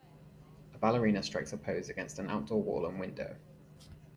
A ballerina strikes a pose against an outdoor wall and window.